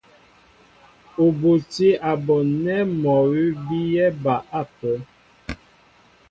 A butí a bon nɛ́ mɔ awʉ́ bíyɛ́ ba ápə́.